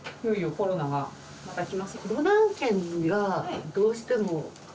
コロナ案件がどうしても。